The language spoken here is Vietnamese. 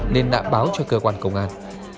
nên đã báo cho cơ quan công an